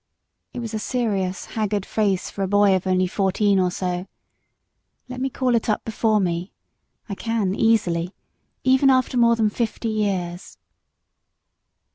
It was a serious, haggard face for a boy of only fourteen or so. Let me call it up before me I can, easily, even after more than fifty years.